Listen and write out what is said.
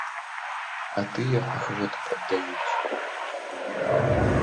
А тыя ахвоты паддаюць.